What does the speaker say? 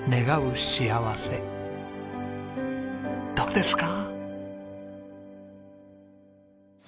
どうですか？